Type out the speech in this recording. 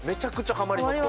ハマりますか？